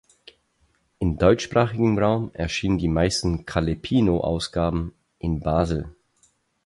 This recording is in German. Im deutschsprachigen Raum erschienen die meisten Calepino-Ausgaben in Basel.